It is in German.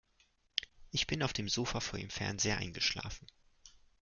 Ich bin auf dem Sofa vor dem Fernseher eingeschlafen.